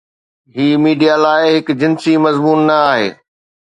هي media لاء هڪ جنسي مضمون نه آهي.